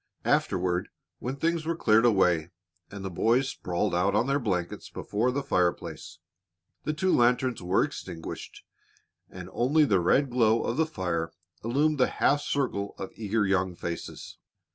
Afterward, when things were cleared away and the boys sprawled out on their blankets before the fireplace, the two lanterns were extinguished and only the red glow of the fire illumined the half circle of eager young faces.